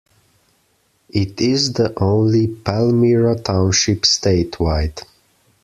It is the only Palmyra Township statewide.